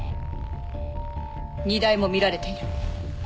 荷台も見られている。